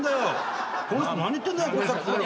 この人何言ってんだよ！